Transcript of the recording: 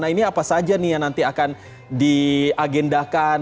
nah ini apa saja nih yang nanti akan diagendakan